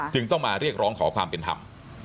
จึงต้องมาเรียกร้องขอความเป็นธรรม